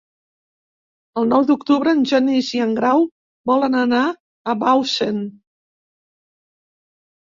El nou d'octubre en Genís i en Grau volen anar a Bausen.